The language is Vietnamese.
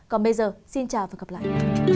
còn bây giờ xin chào và gặp lại